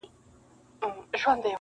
همېشه به په غزا پسي وو تللی-